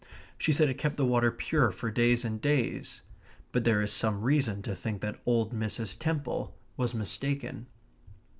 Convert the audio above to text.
She said it kept the water pure for days and days. But there is some reason to think that old Mrs. Temple was mistaken.